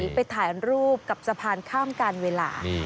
ไปถ่ายรูปกับสะพานข้ามการเวลา